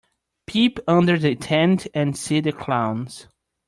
Peep under the tent and see the clowns.